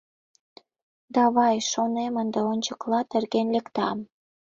Давай, шонем, ынде ончыкла терген лектам.